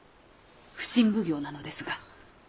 普請奉行なのですが。